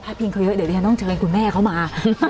พาเพียงเขาเยอะเดี๋ยวต้องเชิญคุณแม่เขามา